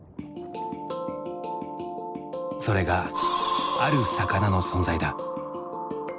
それがある魚の存在だ。